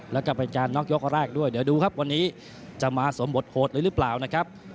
แล้วก็เป็นการน็อกยกแรกด้วยเดี๋ยวดูครับวันนี้จะมาสมบทโหดเลยหรือเปล่านะครับ